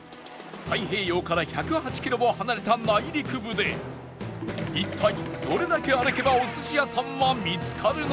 太平洋から１０８キロも離れた内陸部で一体どれだけ歩けばお寿司屋さんは見つかるのか？